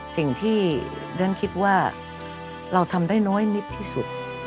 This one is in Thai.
สิ่งที่เรียนคิดว่าเราทำได้น้อยนิดที่สุด